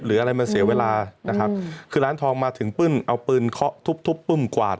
หรืออะไรมันเสียเวลานะครับคือร้านทองมาถึงปึ้มเอาปืนเคาะทุบทุบปึ้มกวาด